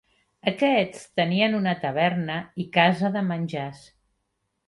Aquests tenien una taverna i casa de menjars.